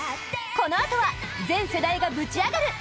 このあとは全世代がぶちアガる！